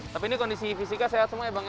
tapi ini kondisi fisiknya sehat semua ya bang ya